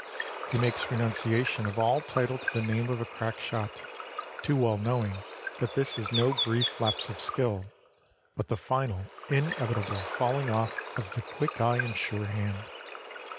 He makes renunciation of all title to the name of a crack shot, too well knowing that this is no brief lapse of skill, but the final, inevitable falling off of the quick eye and sure hand.